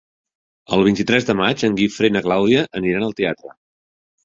El vint-i-tres de maig en Guifré i na Clàudia aniran al teatre.